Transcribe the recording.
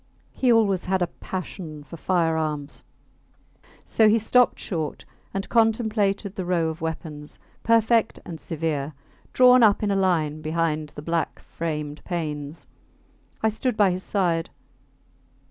He always had a passion for firearms; so he stopped short and contemplated the row of weapons, perfect and severe, drawn up in a line behind the black framed panes. I stood by his side.